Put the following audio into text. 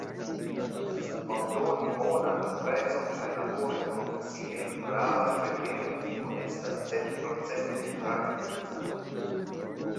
Por doni bonan impreson kaj labori profesie, gravas retejo kiu estas centprocente tradukita.